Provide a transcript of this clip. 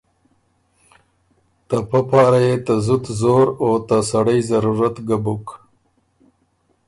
ته پۀ پاره يې ته زُت زور او ته سړئ ضرورت ګۀ بُک